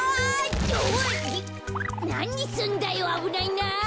なにすんだよあぶないな！